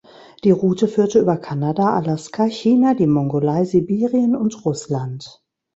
Die Route führte über Kanada, Alaska, China, die Mongolei, Sibirien und Russland.